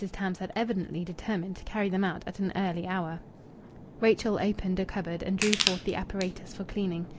Tams had evidently determined to carry them out at an early hour. Rachel opened a cupboard and drew forth the apparatus for cleaning.